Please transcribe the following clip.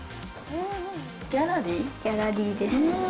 ギャラリーです。